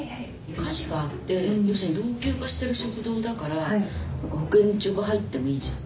火事があって要するに老朽化してる食堂だから保健所が入ってもいいじゃない。